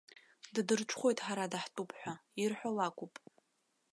Ддырҽхәоит ҳара даҳтәуп ҳәа, ирҳәо лакәуп.